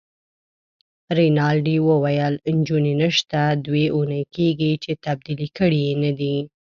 رینالډي وویل: نجونې نشته، دوې اونۍ کیږي چي تبدیلي کړي يې نه دي.